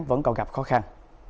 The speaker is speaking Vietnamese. vẫn còn gặp khó khăn